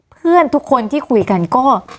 เพื่อนทุกคนที่คุยกันก็